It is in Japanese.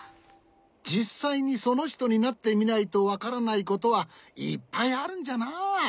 じっさいにそのひとになってみないとわからないことはいっぱいあるんじゃな。